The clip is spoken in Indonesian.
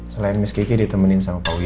selain miss kiki ditemenin sama pak wia ya